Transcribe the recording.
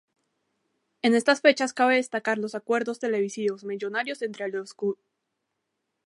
En estas fechas cabe destacar los acuerdos televisivos millonarios por parte de los clubes.